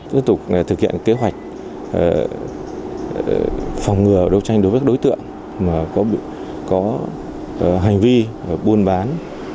tiếp tục thực hiện kế hoạch phòng ngừa đấu tranh đối với các đối tượng có hành vi buôn bán